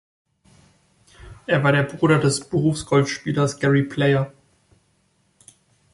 Er war der Bruder des Berufsgolfspielers Gary Player.